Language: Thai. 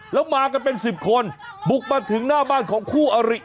แล้วมากันเป็น๑๐คนบุกมาถึงหน้าบ้านของคู่อริ